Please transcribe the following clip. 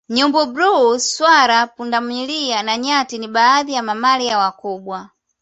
Nyumbu bluu swala punda milia na nyati ni baadhi ya mamalia wakubwa